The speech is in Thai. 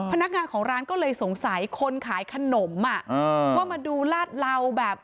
พนักงานของร้านก็เลยสงสัยคนขายขนมอ่ะอ่าว่ามาดูลาดเหลาแบบ